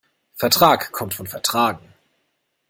Vertrag kommt von vertragen.